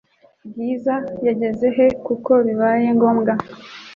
Bwiza yageze he kuko bibaye ngombwa